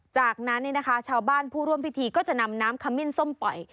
จากนั้นชาวบ้านผู้ร่วมพิธีก็จะนำน้ำขมิ้นส้มปล่อย